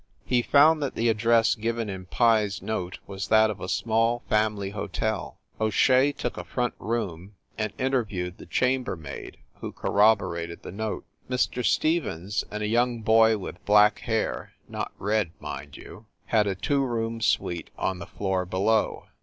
He found that the address given in Pye s note was that of a small family hotel. O Shea took a front room and interviewed the chambermaid who THE NORCROSS APARTMENTS 279 corroborated the note. Mr. Stevens and a young boy with black hair not red, mind you had a two room suite on the floor below.